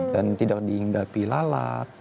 dan tidak dihinggapi lalat